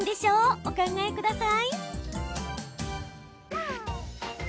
お考えください。